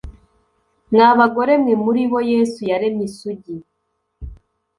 Mwa bagore mwe muri bo Yesu yaremye Isugi